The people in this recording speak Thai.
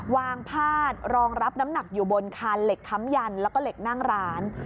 พาดรองรับน้ำหนักอยู่บนคานเหล็กค้ำยันแล้วก็เหล็กนั่งร้าน